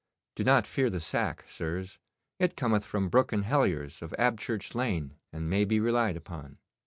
Do not fear the sack, sirs. It cometh from Brooke and Hellier's of Abchurch Lane, and may be relied upon.